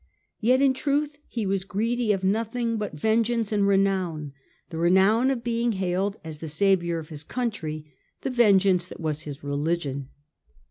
Yet in truth he was greedy for nothing but vengeance and renown, — the renown of being hailed as the saviour of his country, the vengeance that was his religion.